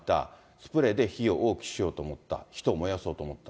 スプレーで火を大きくしようと思った、人を燃やそうと思った。